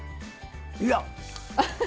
いや。